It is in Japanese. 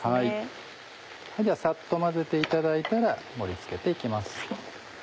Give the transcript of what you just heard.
さっと混ぜていただいたら盛り付けて行きます。